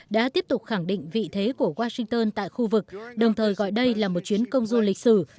đã tiếp tục khẳng định vị thế của washington tại khu vực đồng thời gọi đây là một chuyến công du lịch sử